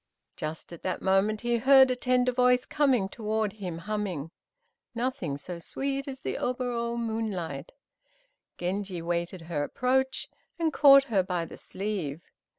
Just at that moment he heard a tender voice coming toward him, humming, "Nothing so sweet as the oboro moon night." Genji waited her approach, and caught her by the sleeve.